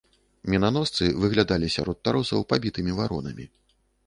Мінаносцы выглядалі сярод таросаў пабітымі варонамі.